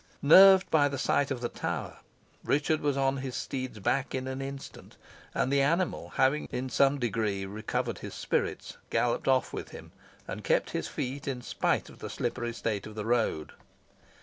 Nerved by the sight of the tower, Richard was on his steed's back in an instant, and the animal, having in some degree recovered his spirits, galloped off with him, and kept his feet in spite of the slippery state of the road.